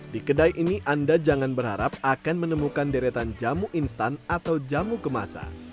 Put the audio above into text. di kedai ini anda jangan berharap akan menemukan deretan jamu instan atau jamu kemasan